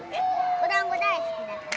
おだんご大好きだから！